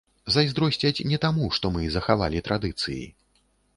Зайздросцяць не таму, што мы захавалі традыцыі.